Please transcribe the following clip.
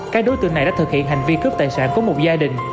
các đối tượng này đã thực hiện hành vi cướp tài sản của một gia đình